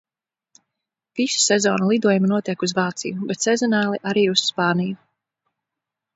Visu sezonu lidojumi notiek uz Vāciju, bet sezonāli – arī uz Spāniju.